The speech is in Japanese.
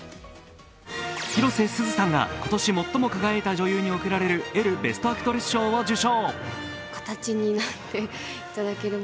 広瀬すずさんが今年最も輝いた女優に贈られるエルベストアクトレス賞を受賞。